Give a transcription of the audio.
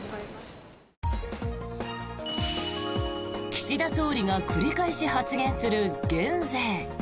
岸田総理が繰り返し発言する減税。